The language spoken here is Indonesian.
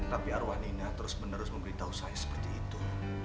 tapi arwah nina terus menerus memberitahu saya seperti itu